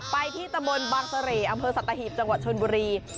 ไปที่ตมนต์บังสะเลอำเภอสัตว์ตะหีบจังหวัดชนบุรี